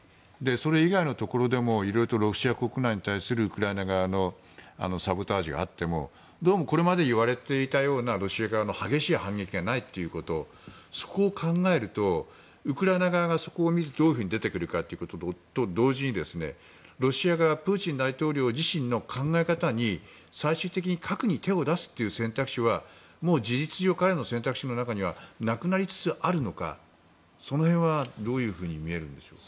それ以外のところでもロシア国内に対するウクライナ側のサボタージュがあってもこれまで言われていたようなロシア側の激しい反撃がないということそこを考えると、ウクライナ側がそこを見てどういうふうに出てくるかと同時にロシア側プーチン大統領自身の考え方に最終的に核に手を出すという選択肢は事実上、彼の選択肢の中にはなくなりつつあるのかその辺はどうみえるんですか。